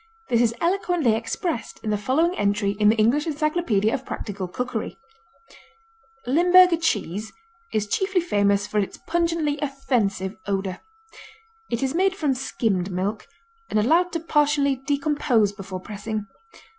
This is eloquently expressed in the following entry in the English Encyclopedia of Practical Cookery: Limburger cheese is chiefly famous for its pungently offensive odor. It is made from skimmed milk, and allowed to partially decompose before pressing.